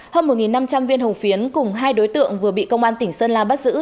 hơn một năm trăm linh viên hồng phiến cùng hai đối tượng vừa bị công an tỉnh sơn la bắt giữ